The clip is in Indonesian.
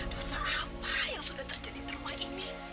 dosa apa yang sudah terjadi di rumah ini